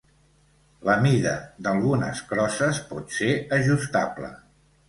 La mida d'algunes crosses pot ser ajustable.